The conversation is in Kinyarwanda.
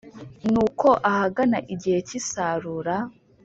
Nuko ahagana igihe cy’isarura,